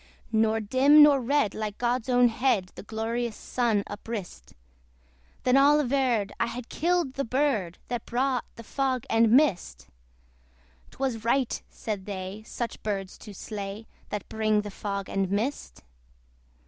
Nor dim nor red, like God's own head, The glorious Sun uprist: Then all averred, I had killed the bird That brought the fog and mist. 'Twas right, said they, such birds to slay, That bring the fog and mist.